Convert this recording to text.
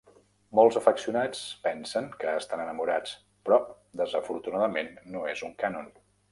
Molts afeccionats pensen que estan enamorats, però desafortunadament no és un cànon.